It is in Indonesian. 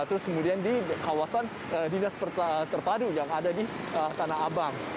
terus kemudian di kawasan dinas terpadu yang ada di tanah abang